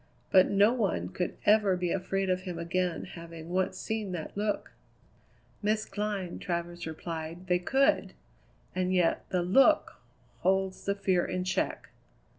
"But no one could ever be afraid of him again having once seen that look!" "Miss Glynn," Travers replied; "they could! and yet the look holds the fear in check."